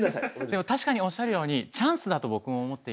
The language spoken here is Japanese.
でも確かにおっしゃるようにチャンスだと僕も思っていて。